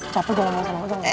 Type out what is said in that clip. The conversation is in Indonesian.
capek jangan marah sama gue